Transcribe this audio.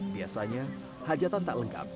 biasanya hajatan tak lengkap